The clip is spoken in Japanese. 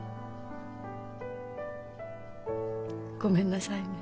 ごめんなさいね。